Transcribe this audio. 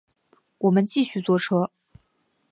我们继续坐车